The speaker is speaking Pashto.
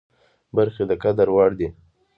برخې د قدر وړ دي.